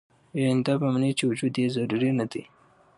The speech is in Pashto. يعني دا به مني چې وجود ئې ضروري نۀ دے